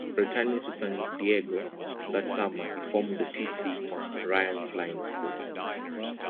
Returning to San Diego that summer, he formed the T. C. Ryan Flying School.